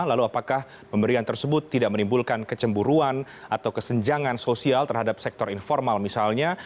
lalu apakah pemberian tersebut tidak menimbulkan kecemburuan atau kesenjangan sosial terhadap sektor informal misalnya